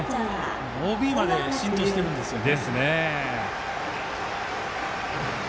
ＯＢまで浸透してるんですね。